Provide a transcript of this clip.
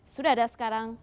sudah ada sekarang